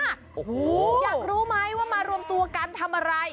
อยากรู้ไหมว่ามารวมตัวกันทำอะไร